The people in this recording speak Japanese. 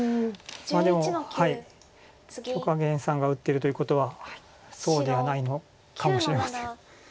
でも許家元さんが打ってるということはそうではないのかもしれません。